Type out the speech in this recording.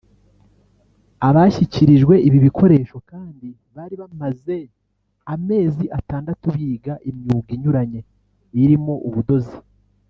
Abashyikirijwe ibi bikoresho kandi bari bamaze amezi atandatu biga imyuga inyuranye irimo ubudozi